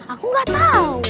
aku gak tau